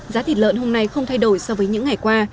giá thịt lợn hôm nay không thay đổi so với những ngày qua